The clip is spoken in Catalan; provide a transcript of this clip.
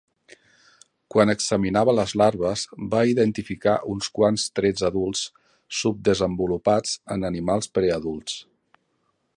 Quan examinava les larves va identificar uns quants trets adults subdesenvolupats en animals preadults.